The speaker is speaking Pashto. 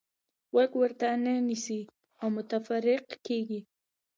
غوږ ورته نه نیسئ او متفرق کېږئ.